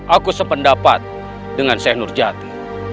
aku sependapat dengan syekh nurjati